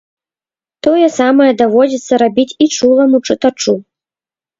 Тое самае даводзіцца рабіць і чуламу чытачу.